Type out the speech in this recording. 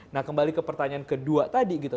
nah kembali ke pertanyaan kedua tadi gitu